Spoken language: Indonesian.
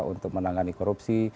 untuk menangani korupsi